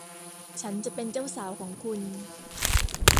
ฉันจะเป็นเจ้าสาวของคุณ